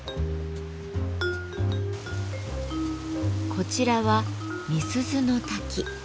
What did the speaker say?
こちらは「瓶子の滝」。